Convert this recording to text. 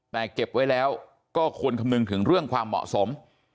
แต่เก็บไว้แล้วก็ควรคำนึงถึงเรื่องความเหมาะสม